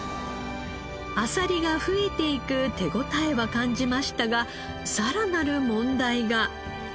あさりが増えていく手応えは感じましたがさらなる問題が。